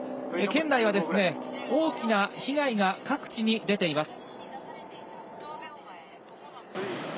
県内は大きな被害が各地に出ています。